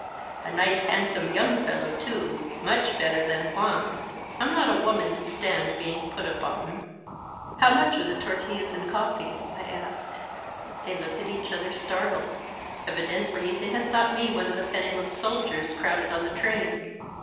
A nice handsome young fellow, too, — much better than Juan. I'm not a woman to stand being put upon.*' "How much are the tortiUiis and coffee?" I asked. They looked at each other, startled. Evidently they had thought me one of the penniless soldiers crowded on the train.